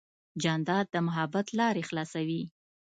جانداد د محبت لارې خلاصوي.